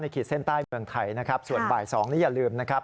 ในขีดเส้นใต้เมืองไทยนะครับ